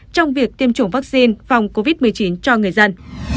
trong việc tiêm chủng vaccine phòng covid một mươi chín cho người dân